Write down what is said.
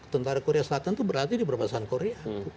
tentara korea selatan itu berarti di perbatasan korea